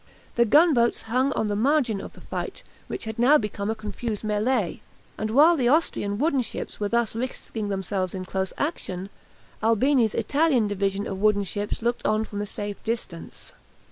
The gunboats hung on the margin of the fight, which had now become a confused mêlée. And while the Austrian wooden ships were thus risking themselves in close action, Albini's Italian division of wooden ships looked on from a safe distance.